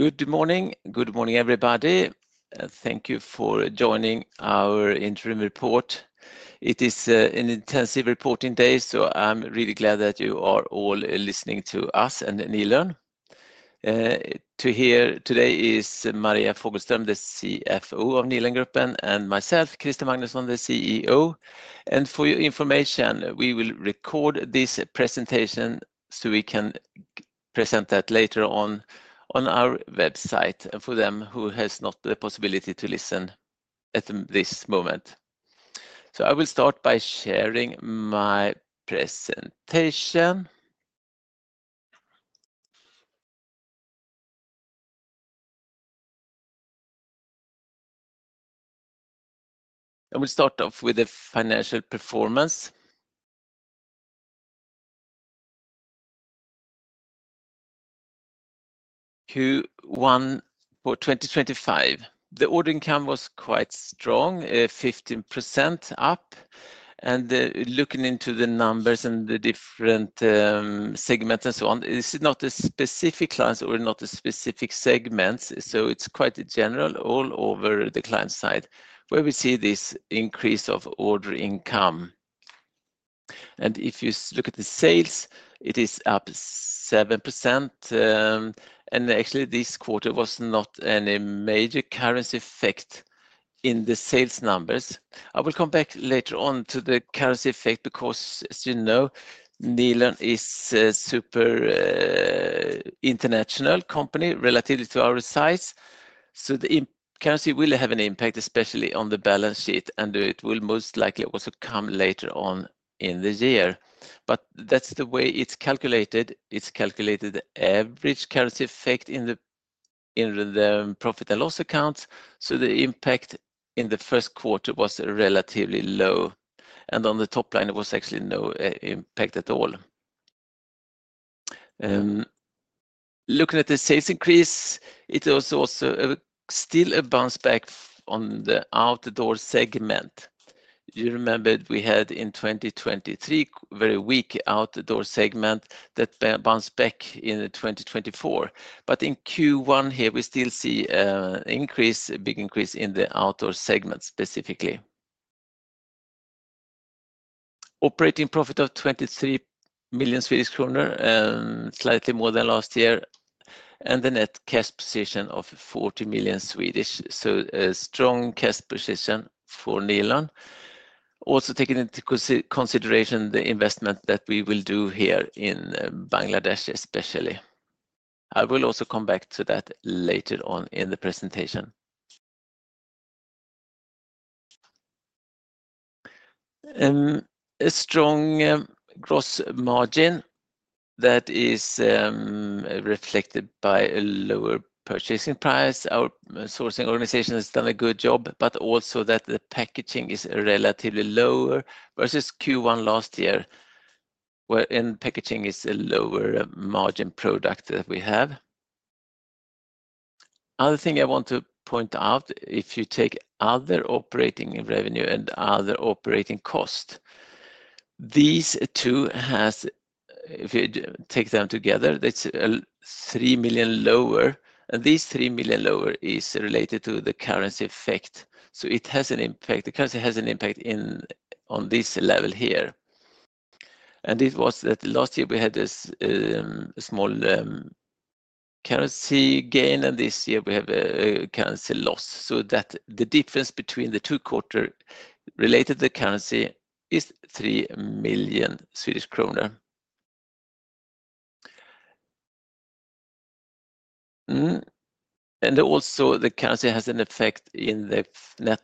Good morning. Good morning, everybody. Thank you for joining our interim report. It is an intensive reporting day, so I'm really glad that you are all listening to us and Nilörn. To hear today is Maria Fogelström, the CFO of Nilörngruppen, and myself, Krister Magnusson, the CEO. For your information, we will record this presentation so we can present that later on on our website for them who have not the possibility to listen at this moment. I will start by sharing my presentation. I will start off with the financial performance. Q1 for 2025. The order income was quite strong, 15% up. Looking into the numbers and the different segments and so on, this is not a specific client or not a specific segment, so it's quite general all over the client side where we see this increase of order income. If you look at the sales, it is up 7%. Actually, this quarter was not any major currency effect in the sales numbers. I will come back later on to the currency effect because, as you know, Nilörn is a super international company relative to our size. The currency will have an impact, especially on the balance sheet, and it will most likely also come later on in the year. That is the way it is calculated. It is calculated average currency effect in the profit and loss accounts. The impact in the first quarter was relatively low. On the top line, it was actually no impact at all. Looking at the sales increase, it was also still a bounce back on the outdoor segment. You remember we had in 2023 a very weak outdoor segment that bounced back in 2024. In Q1 here, we still see an increase, a big increase in the outdoor segment specifically. Operating profit of 23 million Swedish kronor, slightly more than last year, and the net cash position of 40 million. A strong cash position for Nilörn. Also taking into consideration the investment that we will do here in Bangladesh, especially. I will also come back to that later on in the presentation. A strong gross margin that is reflected by a lower purchasing price. Our sourcing organization has done a good job, but also that the packaging is relatively lower versus Q1 last year, where packaging is a lower margin product that we have. Other thing I want to point out, if you take other operating revenue and other operating cost, these two, if you take them together, that's 3 million lower. These 3 million lower is related to the currency effect. It has an impact. The currency has an impact on this level here. It was that last year we had a small currency gain, and this year we have a currency loss. The difference between the two quarters related to the currency is 3 million Swedish kronor. Also, the currency has an effect in the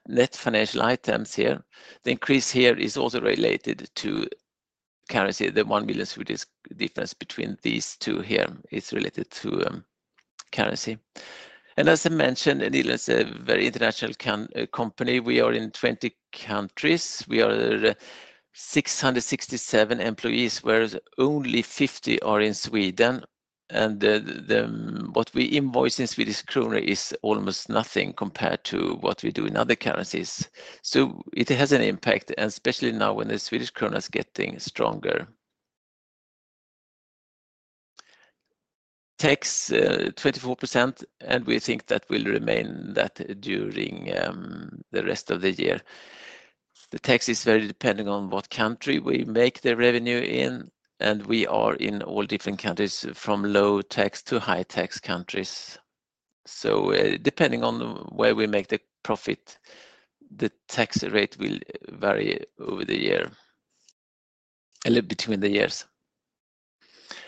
net financial items here. The increase here is also related to currency. The 1 million difference between these two here is related to currency. As I mentioned, Nilörn is a very international company. We are in 20 countries. We are 667 employees, whereas only 50 are in Sweden. What we invoice in Swedish krona is almost nothing compared to what we do in other currencies. It has an impact, especially now when the Swedish krona is getting stronger. Tax 24%, and we think that will remain that during the rest of the year. The tax is very dependent on what country we make the revenue in. We are in all different countries from low tax to high tax countries. Depending on where we make the profit, the tax rate will vary over the year and between the years.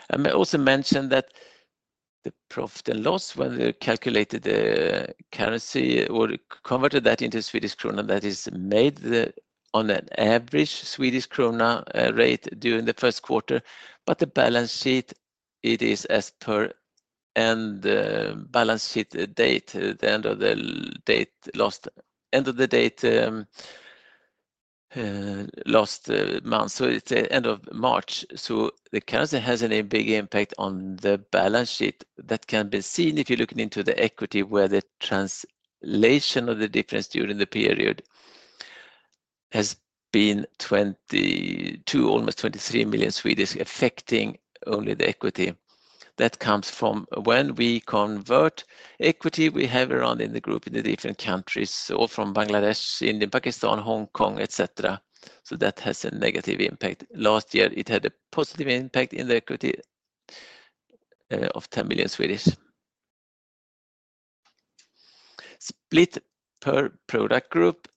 I may also mention that the profit and loss when we calculated the currency or converted that into Swedish krona, that is made on an average Swedish krona rate during the first quarter. The balance sheet, it is as per end balance sheet date, the end of the date last, end of the date last month. It is the end of March. The currency has a big impact on the balance sheet that can be seen if you're looking into the equity, where the translation of the difference during the period has been 22 million, almost 23 million, affecting only the equity. That comes from when we convert equity we have around in the group in the different countries, all from Bangladesh, India, Pakistan, Hong Kong, etc. That has a negative impact. Last year, it had a positive impact in the equity of SEK 10 million. Split per product group.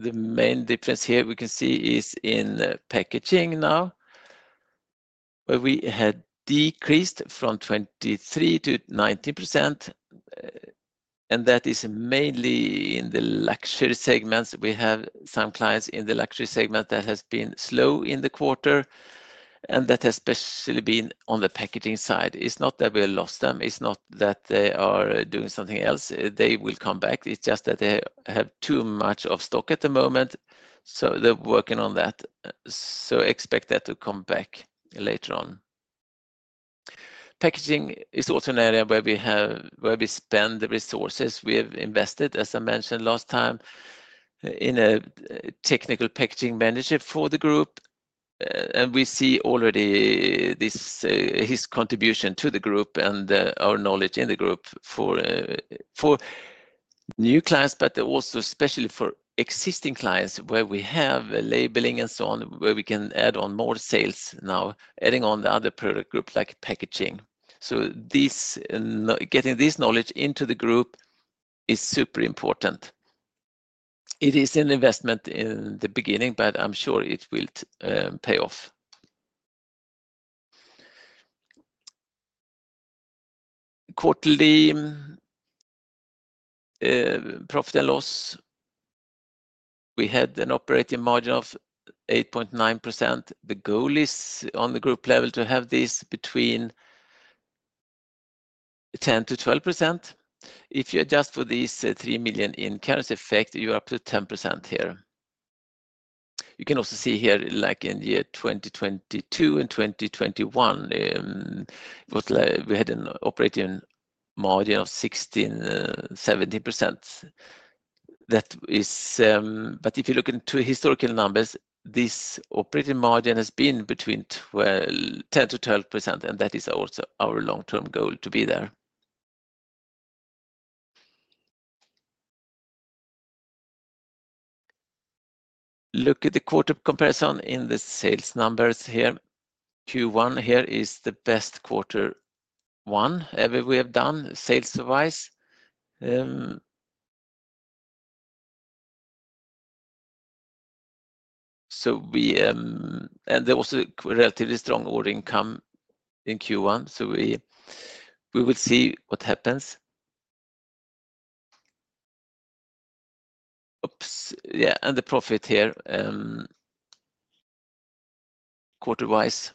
The main difference here we can see is in packaging now, where we had decreased from 23%-19%. That is mainly in the luxury segments. We have some clients in the luxury segment that has been slow in the quarter, and that has especially been on the packaging side. It's not that we lost them. It's not that they are doing something else. They will come back. It's just that they have too much of stock at the moment. They are working on that. Expect that to come back later on. Packaging is also an area where we spend the resources. We have invested, as I mentioned last time, in a technical packaging manager for the group. We see already his contribution to the group and our knowledge in the group for new clients, but also especially for existing clients where we have labeling and so on, where we can add on more sales now, adding on the other product group like packaging. Getting this knowledge into the group is super important. It is an investment in the beginning, but I'm sure it will pay off. Quarterly profit and loss. We had an operating margin of 8.9%. The goal is on the group level to have this between 10-12%. If you adjust for these 3 million in currency effect, you are up to 10% here. You can also see here, like in year 2022 and 2021, we had an operating margin of 16%, 17%. If you look into historical numbers, this operating margin has been between 10-12%, and that is also our long-term goal to be there. Look at the quarter comparison in the sales numbers here. Q1 here is the best quarter one ever we have done, sales-wise. There was a relatively strong ordering come in Q1. We will see what happens. Yeah, and the profit here, quarter-wise.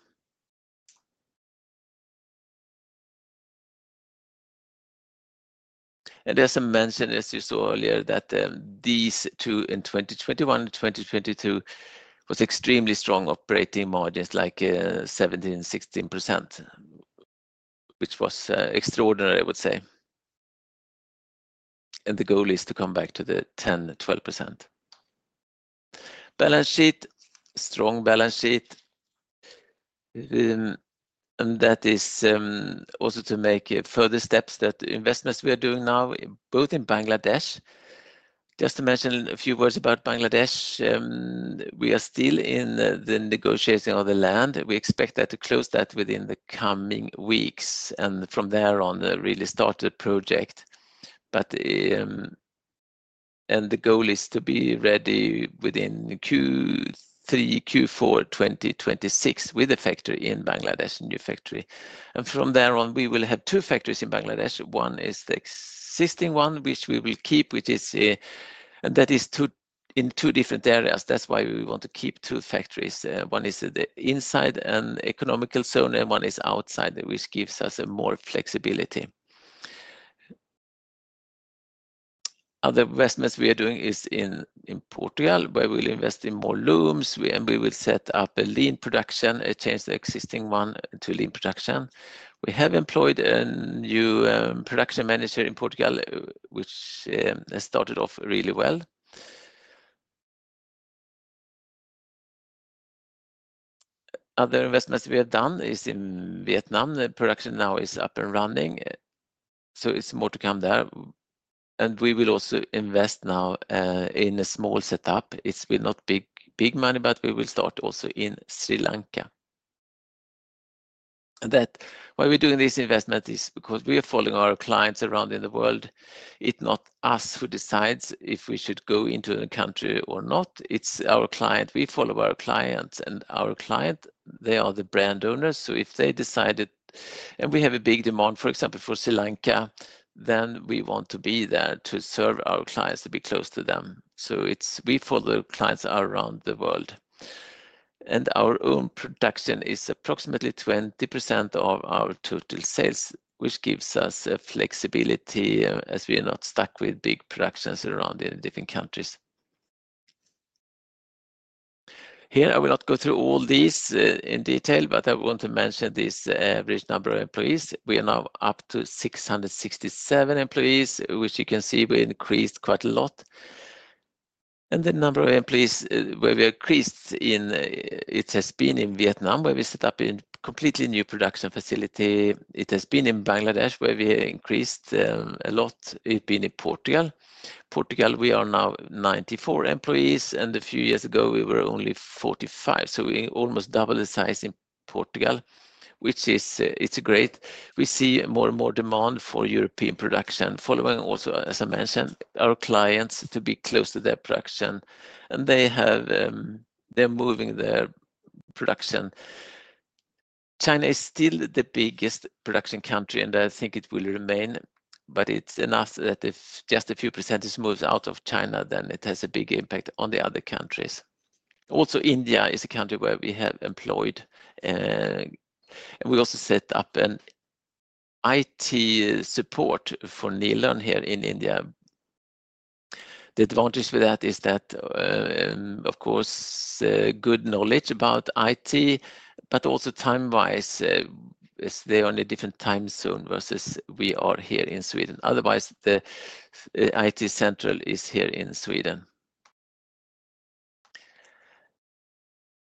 As I mentioned, as you saw earlier, these two in 2021 and 2022 were extremely strong operating margins, like 17%, 16%, which was extraordinary, I would say. The goal is to come back to the 10-12%. Strong balance sheet. That is also to make further steps, the investments we are doing now, both in Bangladesh. Just to mention a few words about Bangladesh. We are still in the negotiating of the land. We expect to close that within the coming weeks. From there on, really start the project. The goal is to be ready within Q3-Q4 2026 with a factory in Bangladesh, a new factory. From there on, we will have two factories in Bangladesh. One is the existing one, which we will keep, which is in two different areas. That is why we want to keep two factories. One is inside an economical zone, and one is outside, which gives us more flexibility. Other investments we are doing is in Portugal, where we'll invest in more looms, and we will set up a lean production, change the existing one to lean production. We have employed a new production manager in Portugal, which has started off really well. Other investments we have done is in Vietnam. Production now is up and running, so it's more to come there. We will also invest now in a small setup. It will not be big money, but we will start also in Sri Lanka. The reason why we're doing this investment is because we are following our clients around in the world. It's not us who decides if we should go into a country or not. It's our client. We follow our clients, and our clients, they are the brand owners. If they decided, and we have a big demand, for example, for Sri Lanka, we want to be there to serve our clients, to be close to them. We follow clients around the world. Our own production is approximately 20% of our total sales, which gives us flexibility as we are not stuck with big productions around in different countries. Here, I will not go through all these in detail, but I want to mention this average number of employees. We are now up to 667 employees, which you can see we increased quite a lot. The number of employees where we increased in, it has been in Vietnam, where we set up a completely new production facility. It has been in Bangladesh, where we increased a lot. It has been in Portugal. Portugal, we are now 94 employees, and a few years ago, we were only 45. We almost doubled the size in Portugal, which is great. We see more and more demand for European production, following also, as I mentioned, our clients to be close to their production. They are moving their production. China is still the biggest production country, and I think it will remain, but it's enough that if just a few % moves out of China, then it has a big impact on the other countries. Also, India is a country where we have employed, and we also set up an IT support for Nilörn here in India. The advantage with that is that, of course, good knowledge about IT, but also time-wise, they are in a different time zone versus we are here in Sweden. Otherwise, the IT central is here in Sweden.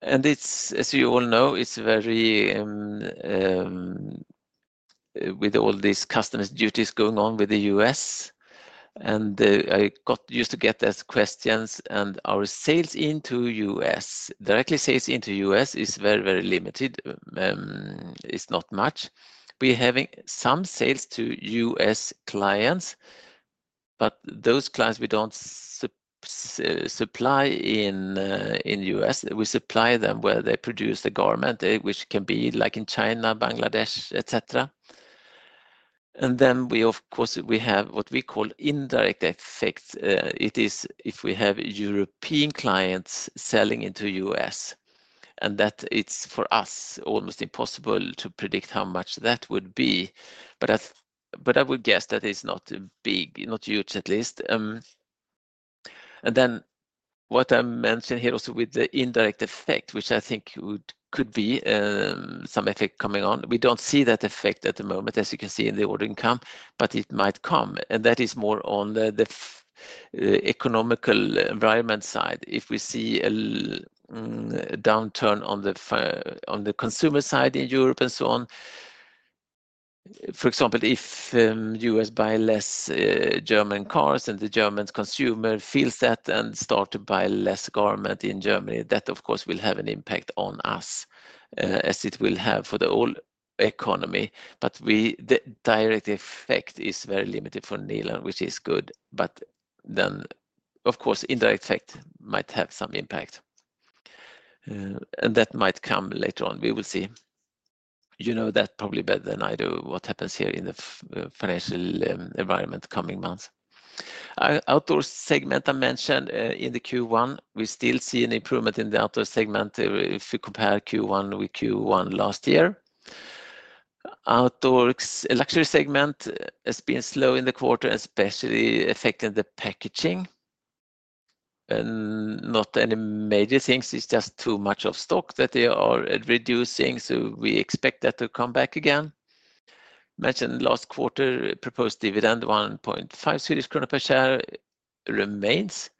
As you all know, it's very with all these customs duties going on with the U.S. I got used to get those questions, and our sales into the U.S., direct sales into the U.S., is very, very limited. It's not much. We're having some sales to U.S. clients, but those clients we don't supply in the U.S. We supply them where they produce the garment, which can be like in China, Bangladesh, etc. Of course, we have what we call indirect effects. It is if we have European clients selling into the U.S., and that is for us almost impossible to predict how much that would be. I would guess that it's not big, not huge at least. What I mentioned here also with the indirect effect, which I think could be some effect coming on, we do not see that effect at the moment, as you can see in the ordering come, but it might come. That is more on the economical environment side. If we see a downturn on the consumer side in Europe and so on, for example, if the U.S. buys fewer German cars and the German consumer feels that and starts to buy less garment in Germany, that, of course, will have an impact on us, as it will have for the whole economy. The direct effect is very limited for Nilörn, which is good. Of course, indirect effect might have some impact. That might come later on. We will see. You know that probably better than I do what happens here in the financial environment coming months. Outdoor segment I mentioned in the Q1, we still see an improvement in the outdoor segment if you compare Q1 with Q1 last year. Outdoor luxury segment has been slow in the quarter, especially affecting the packaging. Not any major things. It's just too much of stock that they are reducing. We expect that to come back again. Mentioned last quarter proposed dividend, 1.5 Swedish kronor per share remains.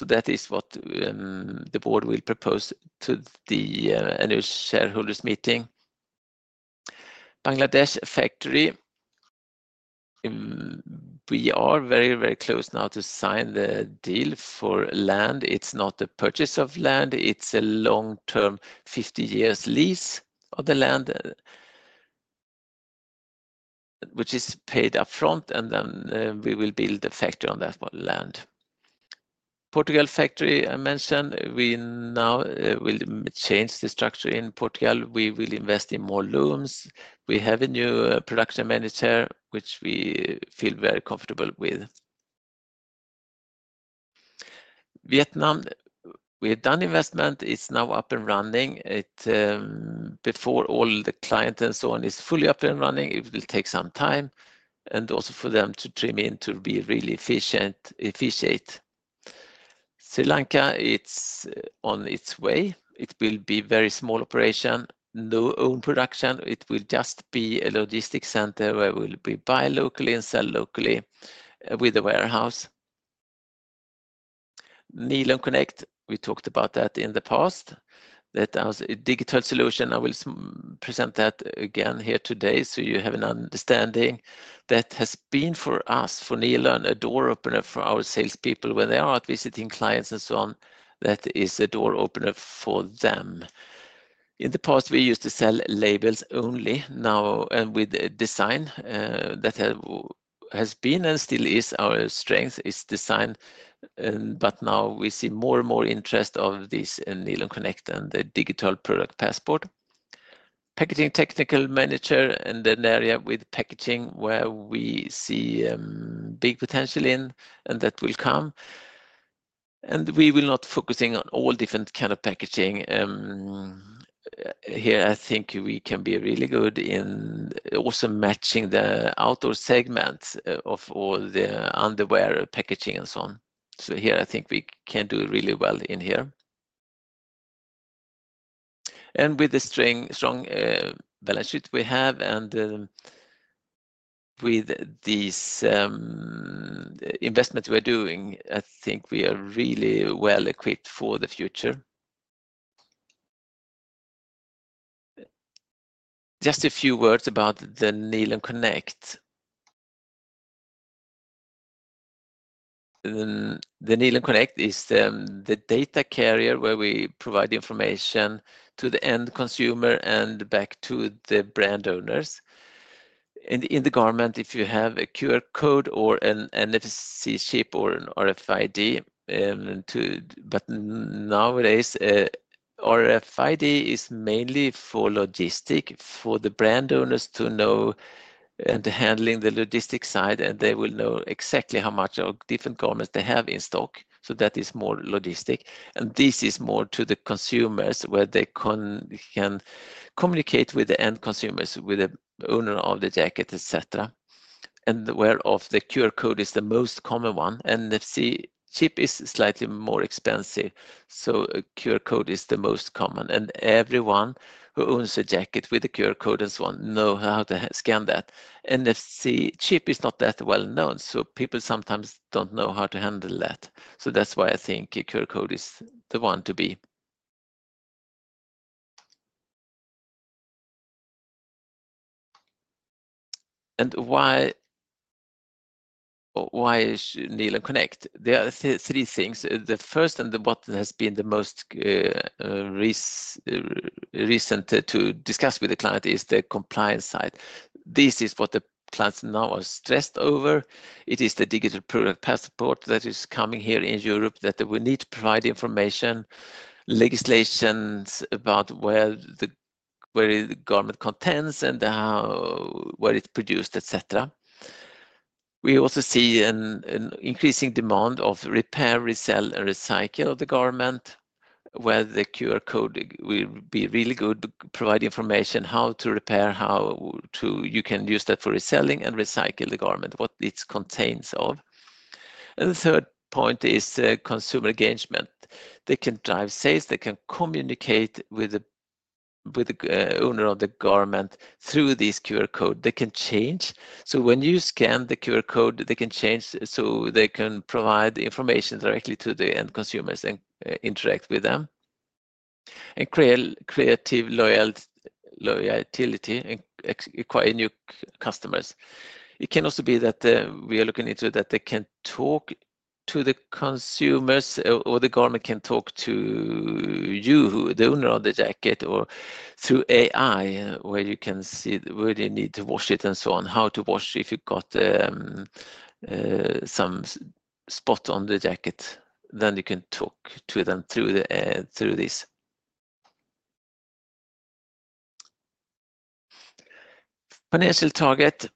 That is what the board will propose to the annual shareholders meeting. Bangladesh factory. We are very, very close now to sign the deal for land. It's not a purchase of land. It's a long-term 50 years lease of the land, which is paid upfront, and then we will build a factory on that land. Portugal factory I mentioned. We now will change the structure in Portugal. We will invest in more looms. We have a new production manager, which we feel very comfortable with. Vietnam, we have done investment. It's now up and running. Before all the clients and so on is fully up and running, it will take some time and also for them to trim in to be really efficient. Sri Lanka, it's on its way. It will be a very small operation, no own production. It will just be a logistics center where we'll be buy locally and sell locally with a warehouse. Nilörn:CONNECT, we talked about that in the past. That was a digital solution. I will present that again here today so you have an understanding. That has been for us, for Nilörn, a door opener for our salespeople when they are out visiting clients and so on. That is a door opener for them. In the past, we used to sell labels only. Now, with design, that has been and still is our strength is design. Now we see more and more interest of this Nilörn:CONNECT and the digital product passport. Packaging technical manager in an area with packaging where we see big potential in and that will come. We will not focusing on all different kinds of packaging. Here, I think we can be really good in also matching the outdoor segment of all the underwear packaging and so on. Here, I think we can do really well in here. With the strong balance sheet we have and with these investments we're doing, I think we are really well equipped for the future. Just a few words about the Nilörn:CONNECT. The Nilörn:CONNECT is the data carrier where we provide information to the end consumer and back to the brand owners. In the garment, if you have a QR code or an NFC chip or an RFID, RFID is mainly for logistics for the brand owners to know and handling the logistics side, and they will know exactly how much of different garments they have in stock. That is more logistics. This is more to the consumers where they can communicate with the end consumers, with the owner of the jacket, etc. The QR code is the most common one. NFC chip is slightly more expensive. QR code is the most common. Everyone who owns a jacket with a QR code and so on knows how to scan that. NFC chip is not that well known. People sometimes do not know how to handle that. That is why I think a QR code is the one to be. Why Nilörn:CONNECT? There are three things. The first and the bottom has been the most recent to discuss with the client is the compliance side. This is what the clients now are stressed over. It is the digital product passport that is coming here in Europe that we need to provide information, legislations about where the garment contends and where it's produced, etc. We also see an increasing demand of repair, resell, and recycle of the garment where the QR code will be really good to provide information how to repair, how you can use that for reselling and recycle the garment, what it contains of. The third point is consumer engagement. They can drive sales. They can communicate with the owner of the garment through this QR code. They can change. When you scan the QR code, they can change. They can provide information directly to the end consumers and interact with them and create creative loyalty and acquire new customers. It can also be that we are looking into that they can talk to the consumers or the garment can talk to you, the owner of the jacket, or through AI where you can see where you need to wash it and so on, how to wash if you have got some spot on the jacket. You can talk to them through this. Financial target.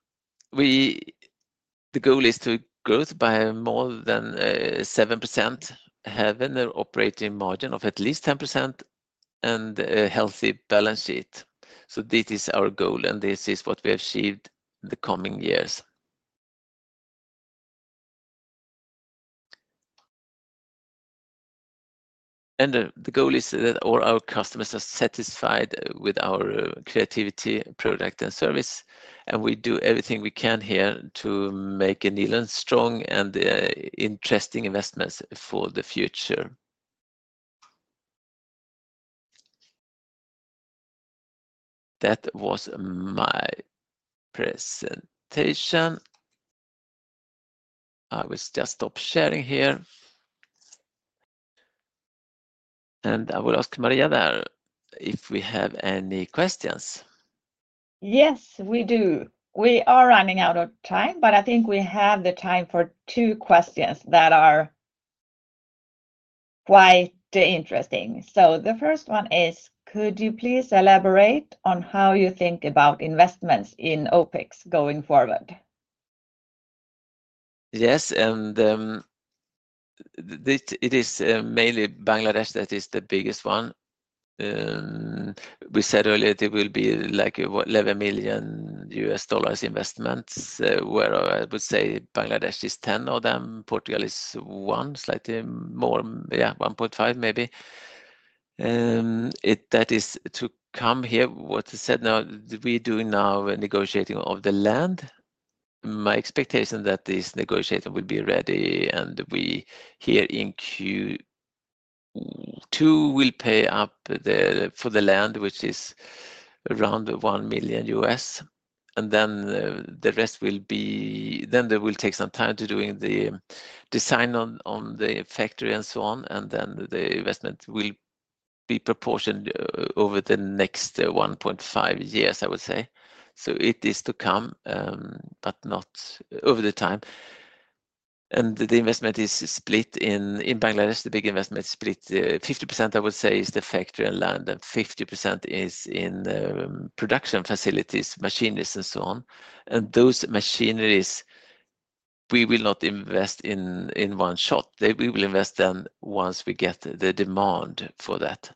The goal is to grow by more than 7%, have an operating margin of at least 10%, and a healthy balance sheet. This is our goal, and this is what we have achieved in the coming years. The goal is that all our customers are satisfied with our creativity, product, and service. We do everything we can here to make Nilörn a strong and interesting investment for the future. That was my presentation. I will just stop sharing here. I will ask Maria if we have any questions. Yes, we do. We are running out of time, but I think we have time for two questions that are quite interesting. The first one is, could you please elaborate on how you think about investments in OpEx going forward? Yes. It is mainly Bangladesh that is the biggest one. We said earlier there will be like $11 million investments, where I would say Bangladesh is $10 million of them. Portugal is one, slightly more, yeah, $1.5 million maybe. That is to come here, what I said now, we are now negotiating the land. My expectation is that this negotiation will be ready and we here in Q2 will pay up for the land, which is around $1 million. The rest will take some time to do the design on the factory and so on. The investment will be proportioned over the next 1.5 years, I would say. It is to come, but not over the time. The investment is split in Bangladesh. The big investment is split 50%, I would say, is the factory and land, and 50% is in production facilities, machines, and so on. Those machineries, we will not invest in one shot. We will invest then once we get the demand for that.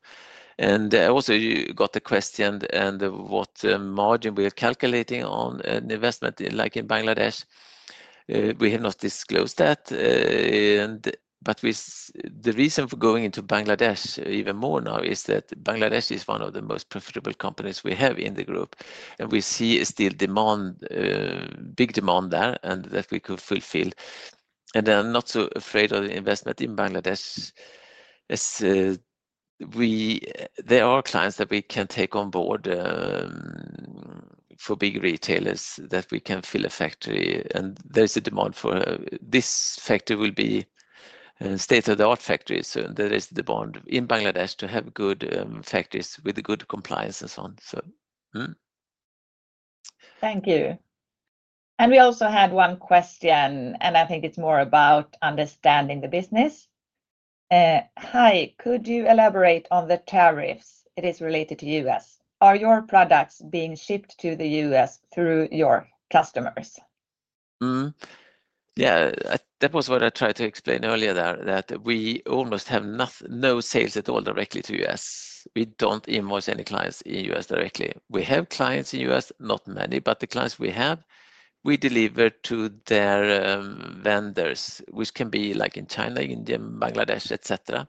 Also, you got the question on what margin we are calculating on an investment like in Bangladesh. We have not disclosed that. The reason for going into Bangladesh even more now is that Bangladesh is one of the most profitable companies we have in the group. We see still demand, big demand there, and that we could fulfill. I'm not so afraid of investment in Bangladesh. There are clients that we can take on board for big retailers that we can fill a factory. There is a demand for this factory will be state-of-the-art factory. There is demand in Bangladesh to have good factories with good compliance and so on. Thank you. We also had one question, and I think it's more about understanding the business. Hi, could you elaborate on the tariffs? It is related to the U.S. Are your products being shipped to the U.S. through your customers? Yeah, that was what I tried to explain earlier there, that we almost have no sales at all directly to the U.S. We don't invoice any clients in the U.S. directly. We have clients in the U.S., not many, but the clients we have, we deliver to their vendors, which can be like in China, India, Bangladesh, etc.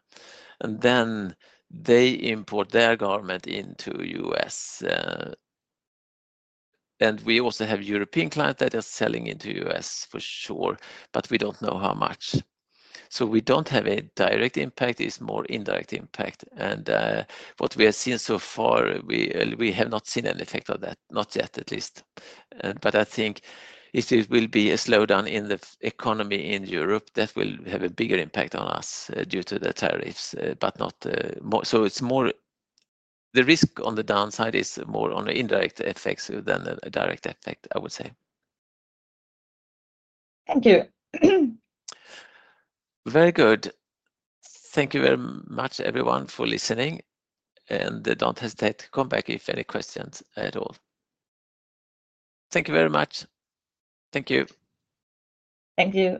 They import their garment into the U.S. We also have European clients that are selling into the U.S. for sure, but we don't know how much. We don't have a direct impact. It's more indirect impact. What we have seen so far, we have not seen an effect of that, not yet at least. I think if it will be a slowdown in the economy in Europe, that will have a bigger impact on us due to the tariffs, but not more. It is more the risk on the downside is more on the indirect effects than the direct effect, I would say. Thank you. Very good. Thank you very much, everyone, for listening. Do not hesitate to come back if any questions at all. Thank you very much. Thank you. Thank you.